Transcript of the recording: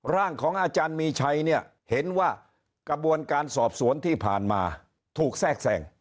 ร่างของอาจารย์มีชัยเนี่ยเห็นว่ากระบวนการสอบสวนที่ผ่านมาถูกแทรกแทรง